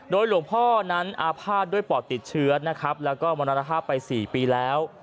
โดยหลวงพ่อนั้นอาพาทด้วยปอดติดเชื้อแล้วก็มณฑภไป๔ปีแล้ว